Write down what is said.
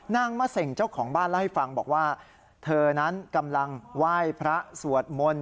นางมะเสงเจ้าของบ้านเล่าให้ฟังบอกว่าเธอนั้นกำลังไหว้พระสวดมนต์